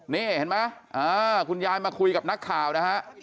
นี่เห็นไหมคุณยายมาคุยกับนักข่าวนะฮะ